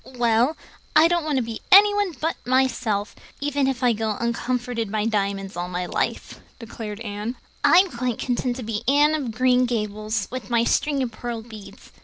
"Well, I don't want to be anyone but myself, even if I go uncomforted by diamonds all my life," declared Anne. "I'm quite content to be Anne of Green Gables, with my string of pearl beads.